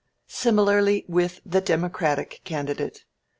Similarly with the Democratic candidate.